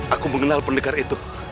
aku mengenal pendekar itu